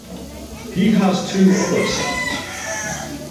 He has two other sons.